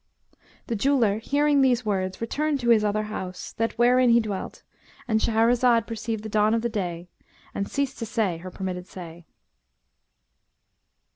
'" The jeweller hearing these words returned to his other house, that wherein he dwelt,—and Shahrazad perceived the dawn of day and ceased to say her permitted say.